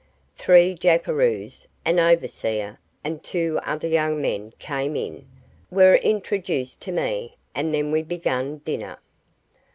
Three jackeroos, an overseer, and two other young men came in, were introduced to me, and then we began dinner.